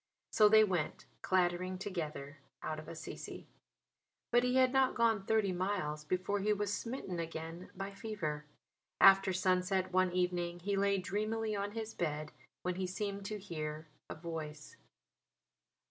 So they went clattering together out of Assisi. But he had not gone thirty miles before he was smitten again by fever. After sunset one evening he lay dreamily on his bed when he seemed to hear a voice.